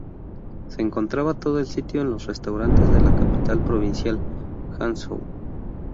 Se concentra todo el estilo en los restaurantes de la capital provincial, Hangzhou.